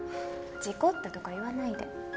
事故ったとか言わないで。